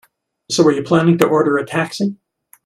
So, are you planning to order a taxi?